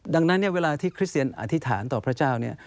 ดังนั้นเนี่ยเวลาที่คริสเซียนอธิษฐานต่อพระเจ้าเนี่ย